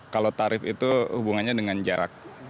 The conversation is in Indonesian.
kalau tarif itu hubungannya dengan jarak